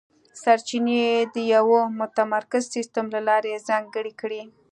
سرچینې یې د یوه متمرکز سیستم له لارې ځانګړې کړې.